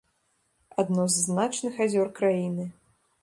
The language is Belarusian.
Адно з значных азёр краіны.